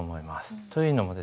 というのもですね